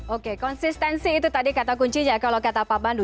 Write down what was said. oke konsistensi itu tadi kata kuncinya kalau kata pak pandu